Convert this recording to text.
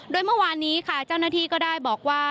โดยเมื่อวานนี้ค่ะเจ้าหน้าที่ก็ได้บอกว่า